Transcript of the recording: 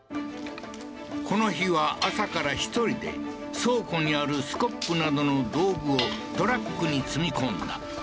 この日は朝から１人で倉庫にあるスコップなどの道具をトラックに積み込んだ